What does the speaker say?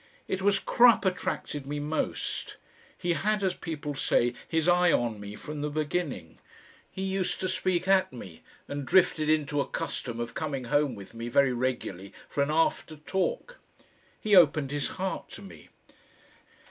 It was Crupp attracted me most. He had, as people say, his eye on me from the beginning. He used to speak at me, and drifted into a custom of coming home with me very regularly for an after talk. He opened his heart to me.